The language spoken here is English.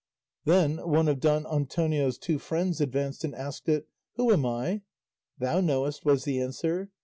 Then one of Don Antonio's two friends advanced and asked it, "Who am I?" "Thou knowest," was the answer.